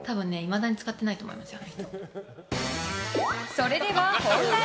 それでは本題。